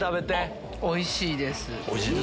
おいしいです。